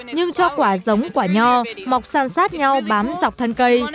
nhưng cho quả giống quả nhò mọc sàn sát nhau bám dọc thân cây